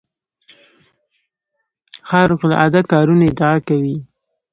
خارق العاده کارونو ادعا کوي.